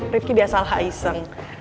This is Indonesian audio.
rifqi biasalah iseng